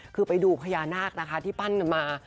คือไปดูพญานาคนะคะที่ปั้นกันมา